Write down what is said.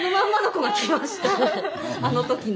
あの時の。